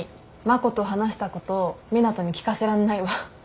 真子と話したこと湊斗に聞かせらんないわ。